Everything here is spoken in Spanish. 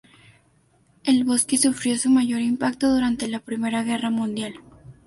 El bosque sufrió su mayor impacto durante la Primera Guerra Mundial.